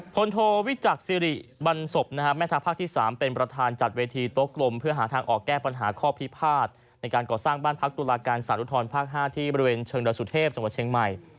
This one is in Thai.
โทวิจักษิริบันศพแม่ทัพภาคที่๓เป็นประธานจัดเวทีโต๊ะกลมเพื่อหาทางออกแก้ปัญหาข้อพิพาทในการก่อสร้างบ้านพักตุลาการสาธุทรภาค๕ที่บริเวณเชิงดอยสุเทพจังหวัดเชียงใหม่